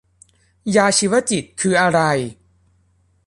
ยาชีวจิตคืออะไร